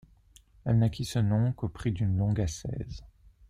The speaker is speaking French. Elle n'acquit ce nom qu'au prix d'une longue ascèse.